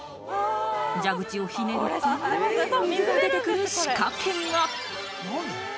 蛇口をひねると、水が出てくる仕掛けが！